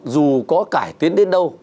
dù có cải tiến đến đâu